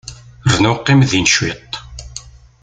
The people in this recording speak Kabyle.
Rnu qqim din cwiṭ.